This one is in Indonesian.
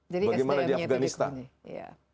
bagaimana di afganistan